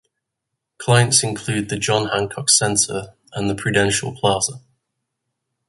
Clients include the John Hancock Center and the Prudential Plaza.